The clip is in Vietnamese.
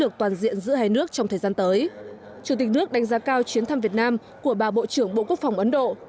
chủ tịch nước đánh giá cao chuyến thăm việt nam của bà bộ trưởng bộ quốc phòng ấn độ